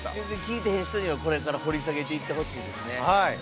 全然聴いてへん人にはこれから掘り下げていってほしいですね。